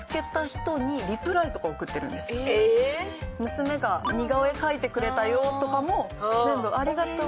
娘が似顔絵描いてくれたよとかも全部ありがとう。